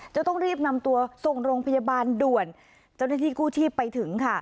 ต้องรีบนำตัวส่งโรงพยาบาลด่วนเจ้าหน้าที่กู้ชีพไปถึงค่ะ